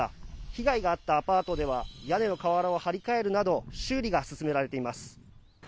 被害があったアパートでは、屋根の瓦を張り替えるなど、修理が進められています。